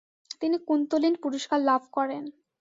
তিনি কুন্তলীন পুরস্কার লাভ করেন।